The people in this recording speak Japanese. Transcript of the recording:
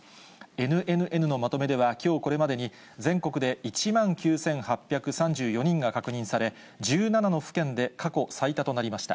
ＮＮＮのまとめでは、きょうこれまでに全国で１万９８３４人が確認され、１７の府県で過去最多となりました。